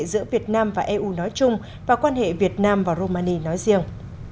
giữa việt nam và eu nói chung và quan hệ việt nam và romani nói riêng